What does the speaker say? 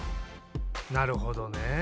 なるほどね。